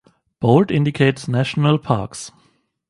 Bold indicates national parks.